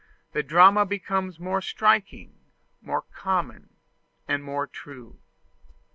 The drama becomes more striking, more common, and more true.